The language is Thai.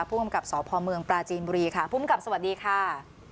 ผู้กำกับสพเมืองปราจีนบุรีค่ะภูมิกับสวัสดีค่ะ